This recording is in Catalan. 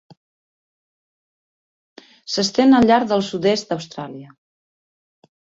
S'estén al llarg del sud-est d'Austràlia.